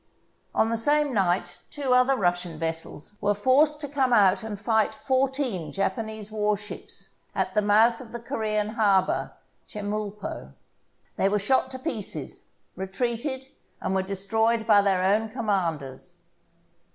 On the same night two other Russian vessels were forced to come out and fight fourteen Japa THE SIEGE OF PORT ARTHUR nese warships at the mouth of the Corean harbour, Chemulpo. They were shot to pieces, retreated, and were destroyed by their own commanders.